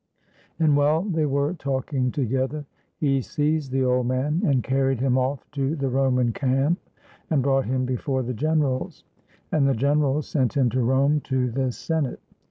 And while they were talking together, he seized the old man, and carried him off to the Roman camp, and brought him before the generals; and the generals sent him to Rome to the Senate.